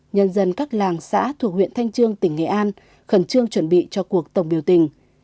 nhân dân các làng xã thuộc huyện thanh trương tỉnh nghệ an khẩn trương chuẩn bị cho cuộc tổng biểu tình